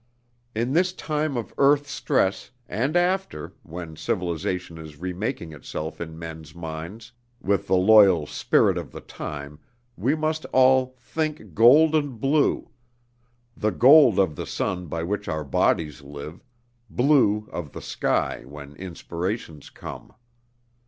In this time of earth stress, and after, when civilization is remaking itself in men's minds, with the loyal 'spirit of the time' we must all think gold and blue, the gold of the sun by which our bodies live, blue of the sky when inspirations come.